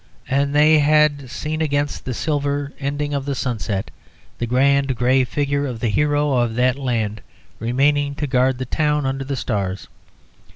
and they had seen against the silver ending of the sunset the grand grey figure of the hero of that land remaining to guard the town under the stars.